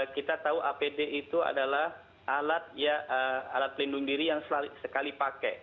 kita tahu apd itu adalah alat pelindung diri yang sekali pakai